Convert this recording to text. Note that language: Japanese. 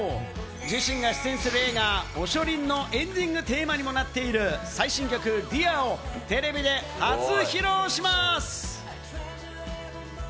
自身が出演する映画『おしょりん』のテーマ曲にもなっている新曲『Ｄｅａｒ』をテレビで初披露します。